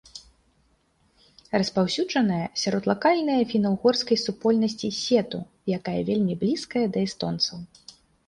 Распаўсюджаная сярод лакальнае фіна-ўгорскай супольнасці сету, якая вельмі блізкая да эстонцаў.